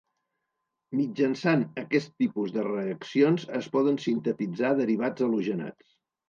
Mitjançant aquest tipus de reaccions es poden sintetitzar derivats halogenats.